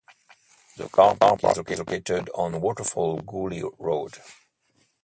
The carpark is located on Waterfall Gully Road.